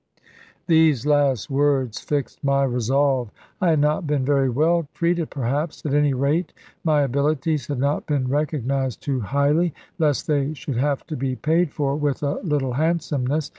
These last words fixed my resolve. I had not been very well treated, perhaps; at any rate, my abilities had not been recognised too highly, lest they should have to be paid for with a little handsomeness.